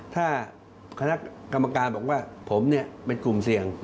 ถ้าคณะกรรมการบอกว่าผมเป็นกลุ่มเสี่ยง